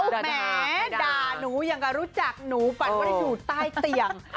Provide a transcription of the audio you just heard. แหมด่าหนูอย่างกับรู้จักหนูฝันว่าจะอยู่ใต้เตียง